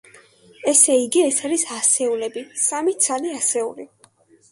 ესე იგი, ეს არის ასეულები, სამი ცალი ასეული.